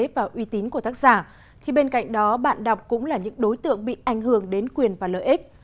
và uy tín của tác giả khi bên cạnh đó bạn đọc cũng là những đối tượng bị ảnh hưởng đến quyền và lợi ích